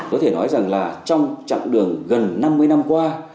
có thể nói rằng là trong chặng đường gần năm mươi năm qua